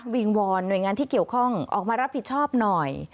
วิงวอนหน่วยงานที่เกี่ยวข้องออกมารับผิดชอบหน่อย